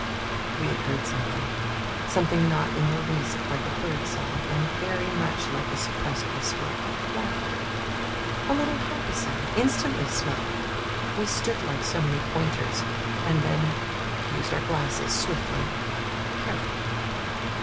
We had heard something: something not in the least like a birdsong, and very much like a suppressed whisper of laughter a little happy sound, instantly smothered. We stood like so many pointers, and then used our glasses, swiftly, carefully.